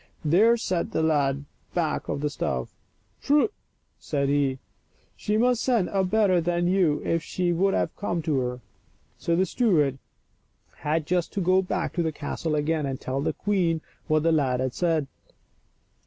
There sat the lad back of the stove. " Prut ! said he, " she must send a better than you if she would have me come to her.*' So the steward had just to go back to the castle again and tell the queen what the lad had said.